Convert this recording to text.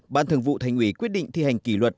ban thường vụ thành ủy quyết định thi hành kỷ luật